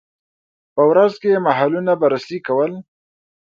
په ورځ کې یې محلونه بررسي کول.